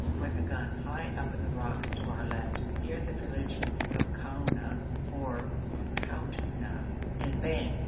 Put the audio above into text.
went a gun high up in the rocks, to our left, near the village of Kouna or Koutna, and 'bang!'